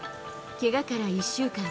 けがから１週間。